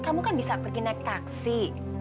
kamu kan bisa pergi naik taksi